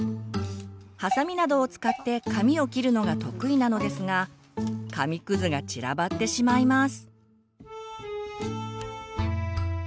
ハサミなどを使って紙を切るのが得意なのですが紙くずが散らばってしまいます。